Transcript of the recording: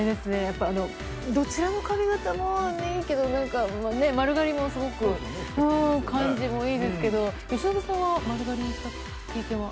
どちらの髪形もいいけど丸刈りも感じもいいですけど由伸さんは丸刈りにした経験は？